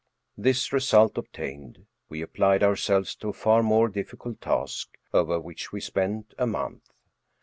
This result obtained, we applied ourselves to a far more difficult task, over which we spent a month.